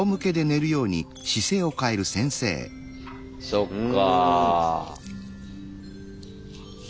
そっか。